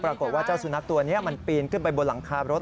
ปรากฏว่าเจ้าสุนัขตัวนี้มันปีนขึ้นไปบนหลังคารถ